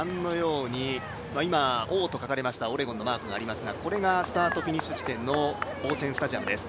現在、「Ｏ」と書かれたオレゴンのマークがありますがこれがスタートフィニッシュ地点のオーツェン・スタジアムです。